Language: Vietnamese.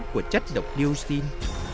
của chất độc dioxin